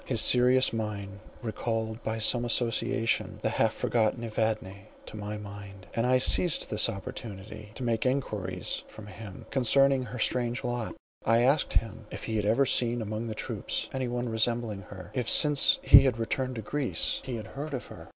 His serious mien recalled, by some association, the half forgotten Evadne to my mind, and I seized this opportunity to make enquiries from him concerning her strange lot. I asked him, if he had ever seen among the troops any one resembling her; if since he had returned to Greece he had heard of her?